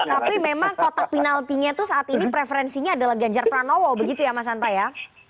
tapi memang kotak penaltinya itu saat ini preferensinya adalah ganjar pranowo begitu ya mas hanta ya